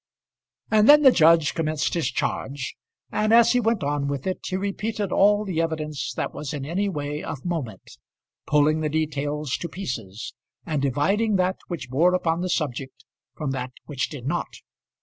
And then the judge commenced his charge, and as he went on with it he repeated all the evidence that was in any way of moment, pulling the details to pieces, and dividing that which bore upon the subject from that which did not.